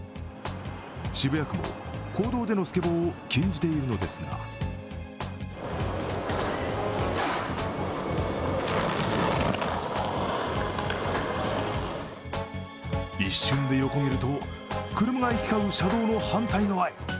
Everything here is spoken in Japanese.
渋谷区も公道でのスケボーを禁じているのですが一瞬で横切ると、車が行き交う車道の反対側へ。